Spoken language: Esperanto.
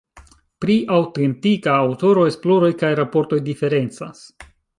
Pri aŭtentika aŭtoro esploroj kaj raportoj diferencas.